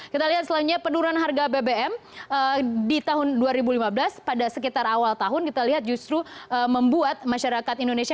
kita lihat selanjutnya penurunan harga bbm di tahun dua ribu lima belas pada sekitar awal tahun kita lihat justru membuat masyarakat indonesia